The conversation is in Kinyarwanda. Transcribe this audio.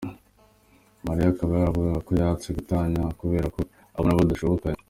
Maria akaba yaravugaga ko yatse gatanya kubera ko abona badashobokanye.